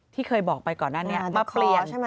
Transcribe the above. ที่เคยบอกไปก่อนนั้นเนี่ย